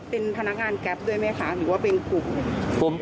เป็นพนักงานแก๊ปด้วยไหมคะหรือว่าเป็นกลุ่ม